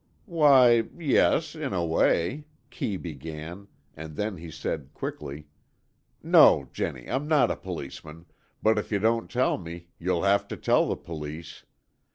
"Why, yes, in a way," Kee began, and then he said, quickly, "no, Jennie, I'm not a policeman, but if you don't tell me, you'll have to tell the police.